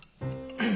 うん。